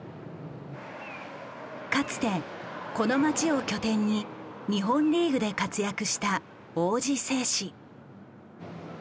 かつてこの町を拠点に日本リーグで活躍した王子製紙。